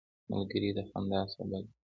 ملګری د خندا سبب وي